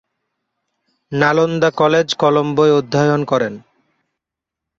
Nalanda college কলম্বোয় অধ্যয়ন করেন।